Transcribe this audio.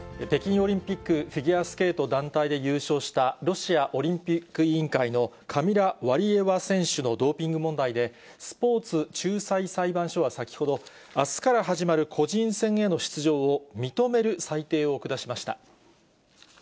北京オリンピック、フィギュアスケート団体で優勝したロシアオリンピック委員会のカミラ・ワリエワ選手のドーピング問題で、スポーツ仲裁裁判所は先ほど、あすから始まる個人戦への出場を認める裁定を下しました。